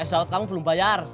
es daun kamu belum bayar